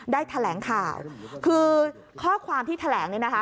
ได้แถลงข่าวคือข้อความที่แถลงเนี่ยนะคะ